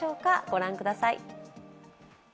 御覧ください。